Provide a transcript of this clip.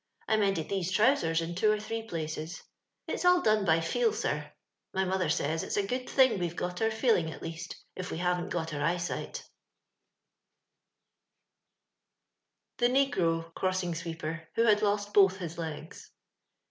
I mended these trousers in two or three places. It's all done l^ feel, sir. My mother says it's a good thing we've got our feeling at least, if we haven't got our eyesight Thb Nbobo Gbossxno Swbbpeb, who had LOST both his Lias.